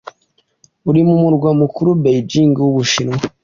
uri mu murwa mukuru Beijing w'Ubushinwa